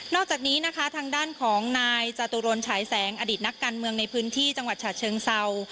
อกจากนี้นะคะทางด้านของนายจตุรนฉายแสงอดีตนักการเมืองในพื้นที่จังหวัดฉะเชิงเศร้า